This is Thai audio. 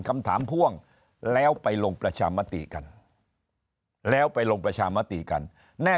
คำถามพ่วงแล้วไปลงประชามติกันแล้วไปลงประชามติกันแน่